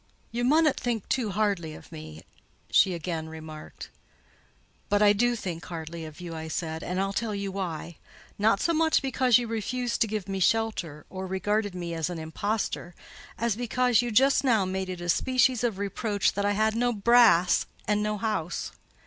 "You munnut think too hardly of me," she again remarked. "But I do think hardly of you," I said; "and I'll tell you why—not so much because you refused to give me shelter, or regarded me as an impostor, as because you just now made it a species of reproach that I had no 'brass' and no house.